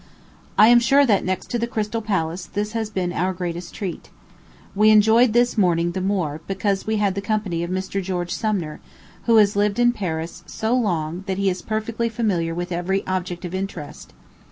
I am sure that, next to the Crystal Palace, this has been our greatest treat. We enjoyed this morning the more, because we had the company of Mr. George Sumner, who has lived in Paris so long that he is perfectly familiar with every object of interest.